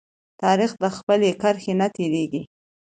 تاریخ د خپل کرښې نه تیریږي.